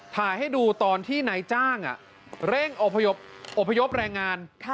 ถ่ายให้ดูตอนที่นายจ้างเร่งอบพยพแรงงาน